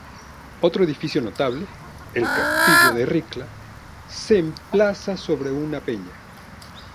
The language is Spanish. Otro edificio notable, el Castillo de Ricla, se emplaza sobre una peña.